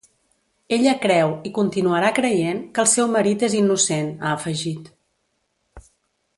Ella creu, i continuarà creient, que el seu marit és innocent, ha afegit.